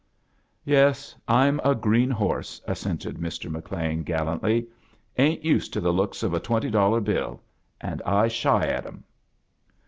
"Yes, Fm a green horse," assented Mr. McLean, gallantly; "ain't used to the looks of a twenty dollar bill, and I shy at 'em."